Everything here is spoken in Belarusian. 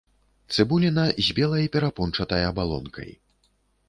Цыбуліна з белай перапончатай абалонкай.